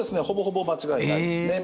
ほぼほぼ間違いないです。